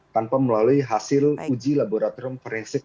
tanpa melalui hasil uji laboratorium forensik